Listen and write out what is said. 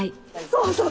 そうそう！